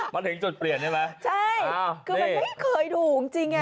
มันถึงจุดเปลี่ยนใช่ไหมใช่คือมันไม่เคยดูจริงจริงอ่ะ